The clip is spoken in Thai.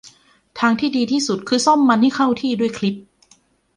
ทางที่ดีที่สุดคือซ่อมมันให้เข้าที่ด้วยคลิป